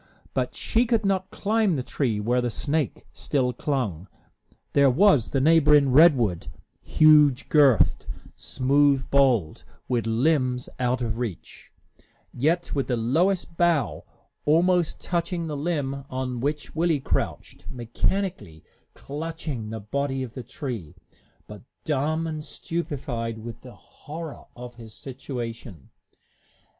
But she could not climb the tree where the snake still clung. There was the neighboring redwood, huge girthed, smooth boled, with limbs out of reach, yet with the lowest bough almost touching the limb on which Willie crouched, mechanically clutching the body of the tree, but dumb and stupefied with the horror of his situation.